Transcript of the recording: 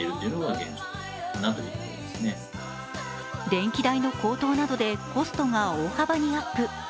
電気代の高騰などでコストが大幅にアップ。